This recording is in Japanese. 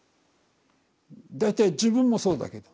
大体自分もそうだけど。